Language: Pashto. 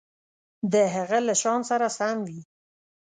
د هغه له شأن سره سم وي.